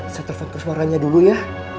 saya telfon kesemarannya dulu ya